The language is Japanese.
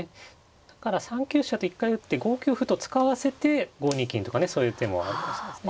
だから３九飛車と一回打って５九歩と使わせて５二金とかねそういう手もありますね。